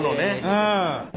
うん。